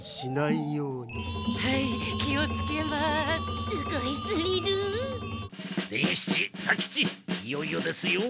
いよいよですよ。